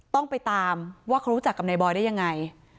ต้องไปตามว่าเขารู้จักกับนายบอยได้ยังไง